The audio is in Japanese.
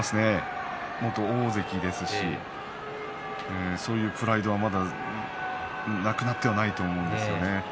元大関ですしそういうプライドはなくなってはいないと思うんですよね。